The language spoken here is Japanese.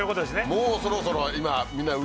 もうそろそろ今。